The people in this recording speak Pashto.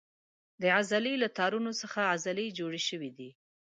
د عضلې له تارونو څخه عضلې جوړې شوې دي.